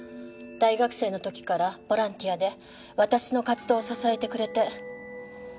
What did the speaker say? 大学生の時からボランティアで私の活動を支えてくれて。